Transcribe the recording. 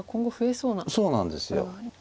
そうなんです。